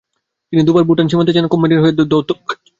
তিনি দু'বার ভুটান সীমান্তে যান কোম্পানির হয়ে দৌত্যকার্যে।